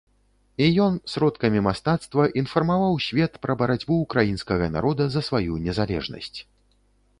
І ён сродкамі мастацтва інфармаваў свет пра барацьбу ўкраінскага народа за сваю незалежнасць.